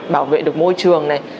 bảo vệ được môi trường này